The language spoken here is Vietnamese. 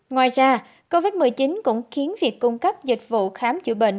ngoài ra covid một mươi chín cũng khiến việc cung cấp dịch vụ khám chữa bệnh